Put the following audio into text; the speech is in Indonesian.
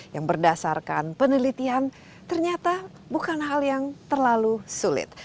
yang berdasarkan penelitian ternyata bukan hal yang terlalu sulit